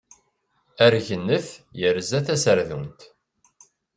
Aregnet yerza taserdunt.